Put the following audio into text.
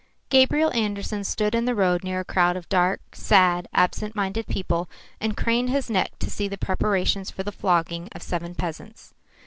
Gabriel Andersen stood in the road near a crowd of dark, sad, absent minded people and craned his neck to see the preparations for the flogging of seven peasants.